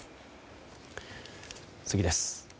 次です。